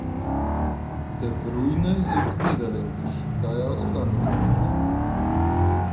De Bruyne singt niederländisch, da er aus Flandern kommt.